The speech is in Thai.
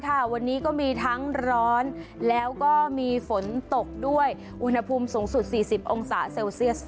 วันนี้ก็มีทั้งร้อนแล้วก็มีฝนตกด้วยอุณหภูมิสูงสุด๔๐องศาเซลเซียส